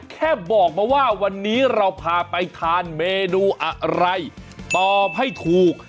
แค่บอกมาว่าวันนี้เราพาไปทานเมนูอะไรตอบให้ถูก